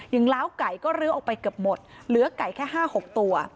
อย่างล้าวไก่ก็เลือกออกไปเกือบหมดเหลือไก่แค่ห้าหกตัว